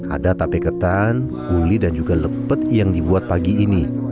ada tape ketan uli dan juga lepet yang dibuat pagi ini